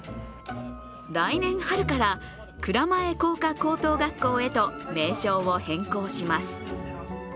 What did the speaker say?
来年春から蔵前工科高等学校へと名称を変更します。